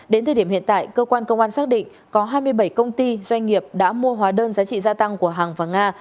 đến thời điểm hiện tại cơ quan công an xác định có hai mươi bảy công ty doanh nghiệp đã mua hóa đơn giá trị gia tăng của hằng và nga